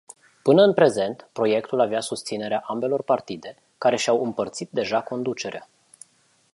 Până în prezent, proiectul avea susținerea ambelor partide, care și-au împărțit deja conducerea.